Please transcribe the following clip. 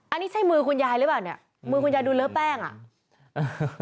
อันนี้ใช่มือคุณยายหรือเปล่าเนี่ยมือคุณยายดูเลอะแป้งอ่ะ